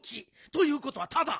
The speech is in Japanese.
ということはタダ。